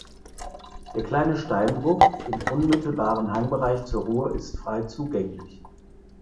Der kleine Steinbruch im unmittelbaren Hangbereich zur Ruhr ist frei zugänglich.